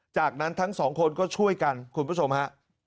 จากนั้นทั้งสองคนก็ช่วยกันคุณผู้ชมฮะ